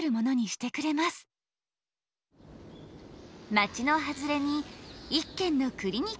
街の外れに一軒のクリニックがある。